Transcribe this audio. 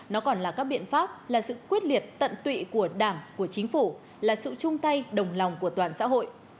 nó còn là các biện pháp là sự quyết liệt tận tụy của đảng của chính phủ là sự chung tay đồng lòng của toàn xã hội